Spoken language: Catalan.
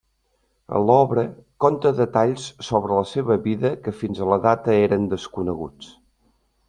En l'obra conta detalls sobre la seva vida que fins a la data eren desconeguts.